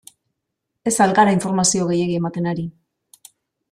Ez al gara informazio gehiegi ematen ari?